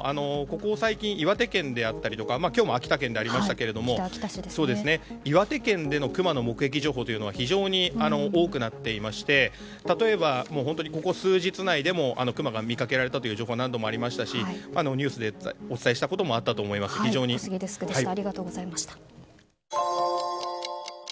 私も八幡平市で何件ありますかというとぱっと出てこないんですがここ最近岩手県であったりとか今日も秋田県でありましたけれども岩手県でのクマの目撃情報というのは非常に多くなっていまして例えば本当にここ数日内でもクマが見かけられたという情報が何度もありましたしニュースでお伝えしたことも小杉デスクでした。